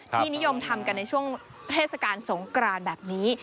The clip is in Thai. นิยมทำกันในช่วงเทศกาลสงกรานแบบนี้